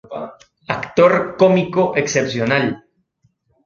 Actor cómico excepcional.